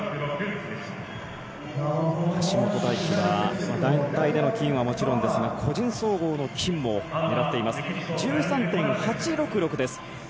橋本大輝は団体での金はもちろんですが個人総合の金も狙っています。１３．８６６です。